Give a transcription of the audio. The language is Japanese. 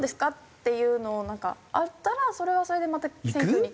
っていうのをなんかあったらそれはそれでまた選挙に。